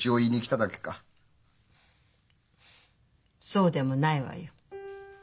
そうでもないわよ。